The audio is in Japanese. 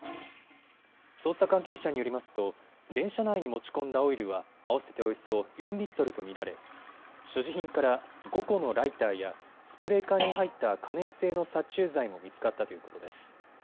捜査関係者によりますと電車内に持ち込んだオイルは合わせておよそ４リットルと見られ所持品から５個のライターやスプレー缶に入った可燃性の殺虫剤も見つかったということです。